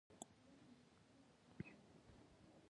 افغانستان په پوره ډول په بادي انرژي باندې تکیه لري.